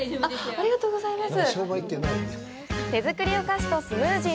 ありがとうございます。